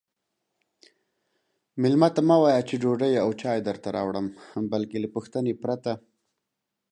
میلمه ته مه وایئ چې ډوډۍ او چای درته راوړم بلکې له پوښتنې پرته